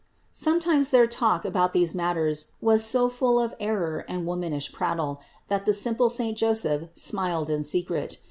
Sometimes their talk about these matters was so full of error and woman ish prattle, that the simple saint Joseph smiled in secret.